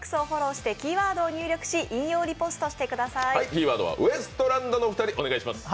キーワードはウエストランドのお二人、お願いします。